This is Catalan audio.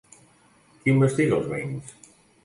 Qui investiga els veïns?